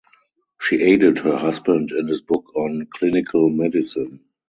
She aided her husband in his book on "Clinical Medicine".